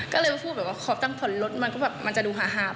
ก็เลยพูดว่าขอบตั้งผลรถมันก็แบบมันจะดูหา